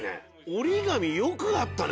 折り紙よくあったね